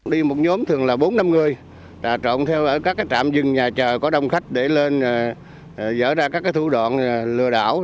đi một nhóm thường là bốn năm người trộn theo ở các trạm dừng nhà chờ có đông khách để lên dở ra các thủ đoạn lừa đảo